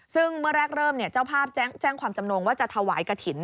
ซึ่งเมื่อแรกเริ่มเจ้าภาพแจ้งความจำนวงว่าจะถวายกระถิ่น